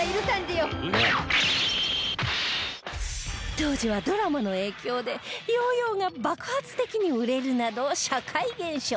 当時はドラマの影響でヨーヨーが爆発的に売れるなど社会現象に